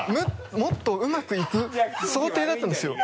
もっとうまくいく想定だったんですよ。